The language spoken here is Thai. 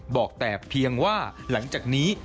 บอกแต่เพียงว่าหลังจากนี้